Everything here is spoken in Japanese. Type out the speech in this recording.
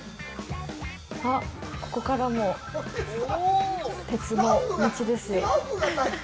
あっ、ここからもう鉄の道ですよ。